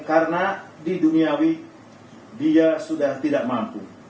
karena di duniawi dia sudah tidak mampu